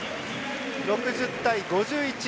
６０対５１。